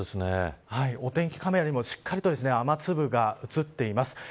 お天気カメラにもしっかりと雨粒が映っています。